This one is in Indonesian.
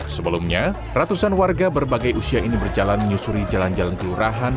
sebelumnya ratusan warga berbagai usia ini berjalan menyusuri jalan jalan kelurahan